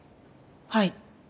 はい。